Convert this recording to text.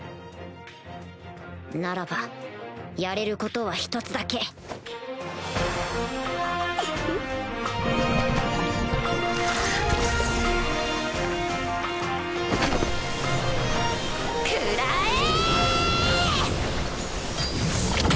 ならばやれることは１つだけ食らえ！